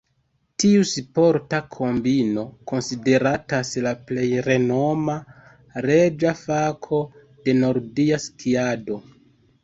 Tiu sporta kombino konsideratas la plej renoma, "reĝa fako" de nordia skiado.